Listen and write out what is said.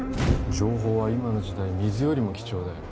情報は今の時代水よりも貴重だよ